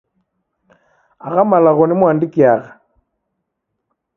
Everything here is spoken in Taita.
Agha malagho nimuandikiagha.